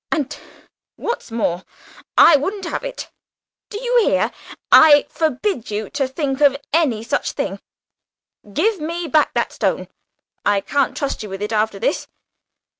And what's more, I won't have it. Do you hear, I forbid you to think of any such thing. Give me back that stone. I can't trust you with it after this."